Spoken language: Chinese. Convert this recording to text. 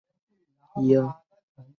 当是为避讳雍正帝名。